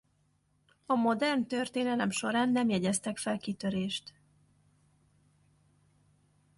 A modern történelem során nem jegyeztek fel kitörést.